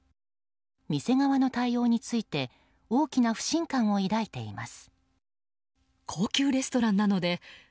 店側の対応について大きな不信感を抱いています。